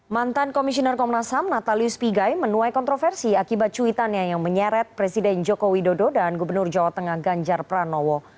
mantan komisioner komnas ham natalius pigai menuai kontroversi akibat cuitannya yang menyeret presiden joko widodo dan gubernur jawa tengah ganjar pranowo